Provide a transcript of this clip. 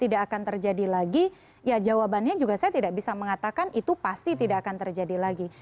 tidak akan terjadi lagi ya jawabannya juga saya tidak bisa mengatakan itu pasti tidak akan terjadi lagi